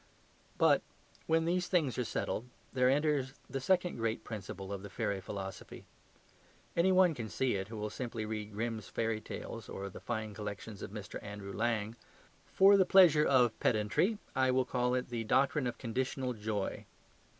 But when these things are settled there enters the second great principle of the fairy philosophy. Any one can see it who will simply read "Grimm's Fairy Tales" or the fine collections of Mr. Andrew Lang. For the pleasure of pedantry I will call it the Doctrine of Conditional Joy.